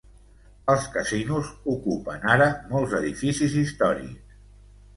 Els casinos ocupen ara molts edificis històrics.